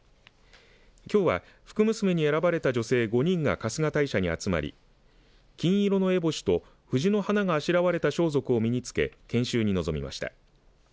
きょうは福娘に選ばれた女性５人が春日大社に集まり金色のえぼしと藤の花があしらわれた装束を身に付け研修に臨みました。